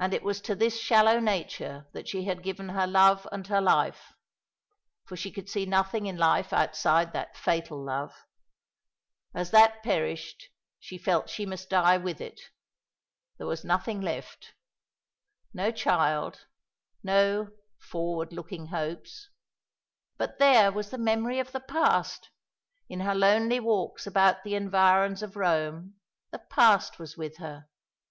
And it was to this shallow nature that she had given her love and her life; for she could see nothing in life outside that fatal love. As that perished, she felt that she must die with it. There was nothing left no child no "forward looking hopes." But there was the memory of the past! In her lonely walks about the environs of Rome, the past was with her.